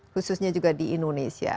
khususnya juga di indonesia